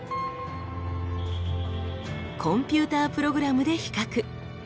コンピュータープログラムで比較。